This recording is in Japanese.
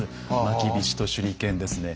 まきびしと手裏剣ですね。